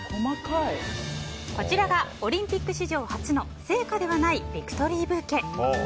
こちらがオリンピック史上初の生花ではないビクトリーブーケ。